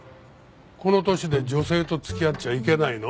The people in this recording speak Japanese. この年で女性と付き合っちゃいけないの？